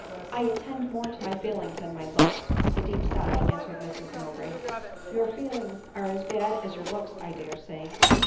" I attend more to my feelings than my looks, " with a deep sigh, answered Mrs Mowbray. "Your feelings are as bad as your looks, I dare say."